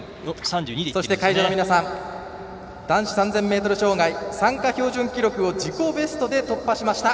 放送席、会場の皆さん男子３０００ｍ障害参加標準記録を自己ベストで突破しました。